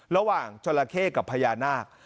ระหว่างจราเข้กับพญานาค